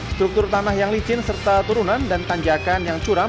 struktur tanah yang licin serta turunan dan tanjakan yang curam